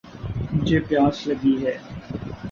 مجھے پیاس لگی ہے